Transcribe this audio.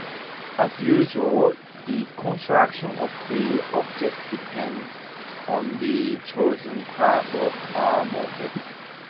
As usual, the construction of free objects depends on the chosen class of morphisms.